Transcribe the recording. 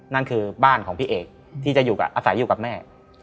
นั่นคือบ้านของพี่เอกที่จะอยู่อาศัยอยู่กับแม่